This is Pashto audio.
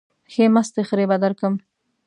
ښې مستې خرې به درکم.